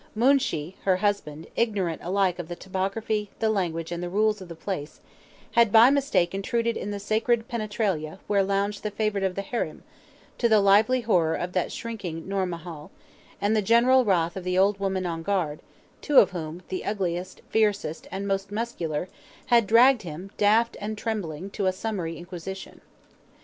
Moonshee, her husband, ignorant alike of the topography, the language, and the rules of the place, had by mistake intruded in the sacred penetralia where lounged the favorite of the harem, to the lively horror of that shrinking Nourmahal, and the general wrath of the old women on guard, two of whom, the ugliest, fiercest, and most muscular, had dragged him, daft and trembling, to summary inquisition.